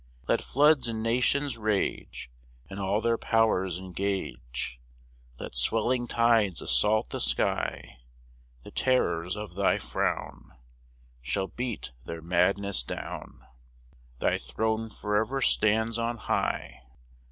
4 Let floods and nations rage, And all their powers engage, Let swelling tides assault the sky; The terrors of thy frown Shall beat their madness down; Thy throne for ever stands on high.